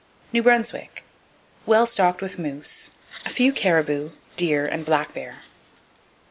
New Brunswick : Well stocked with moose; a few caribou, deer and black bear.